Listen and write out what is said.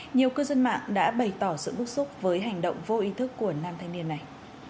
nhiều cư dân mạng đã bày tỏ sự bức xúc với hành động vô ý thức của nam thanh niên này